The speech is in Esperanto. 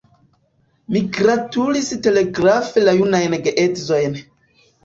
Mi gratulis telegrafe la junajn geedzojn.